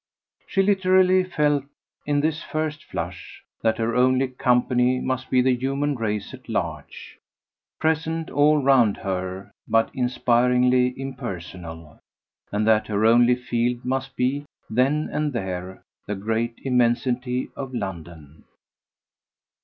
She literally felt, in this first flush, that her only company must be the human race at large, present all round her, but inspiringly impersonal, and that her only field must be, then and there, the grey immensity of London.